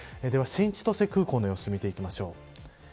では新千歳空港の様子を見ていきましょう。